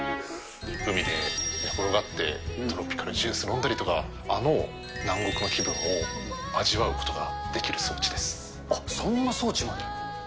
海で寝転がって、トロピカルジュース飲んだりとか、あの南国の気分を味わうことができる装置あっ、そんな装置まで。